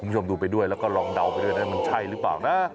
คุณชมดูไปด้วยลองเดาไปด้วยมันใช่หรือเปล่า